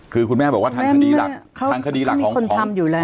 คือคุณแม่บอกว่าทางคดีหลักทางคดีหลักของคนทำอยู่แล้ว